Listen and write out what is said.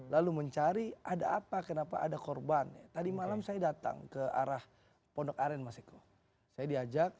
lalu mencari ada apa kenapa ada korban ya tadi malam saya datang ke arah pondok aren mas eko saya diajak